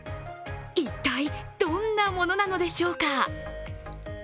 一体どんなものなのでしょうか。